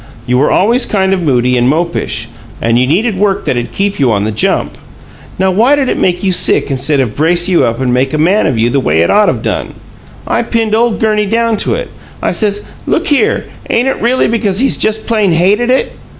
You were always kind of moody and mopish and you needed work that'd keep you on the jump. Now, why did it make you sick instead of brace you up and make a man of you the way it ought of done? I pinned ole Gurney down to it. I says, 'Look here, ain't it really because he just plain hated it?'